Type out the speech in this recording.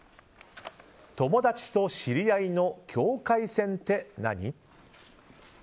友達と知り合いの境界線って何？